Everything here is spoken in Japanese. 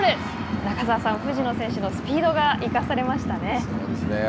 中澤さん、藤野選手のスピードが生かされましたね。